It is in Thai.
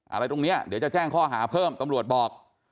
อะไรตรงนี้เดี๋ยวจะแจ้งข้อหาเพิ่มตำรวจบอก